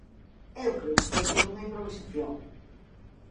Eu creo que foi todo unha improvisación.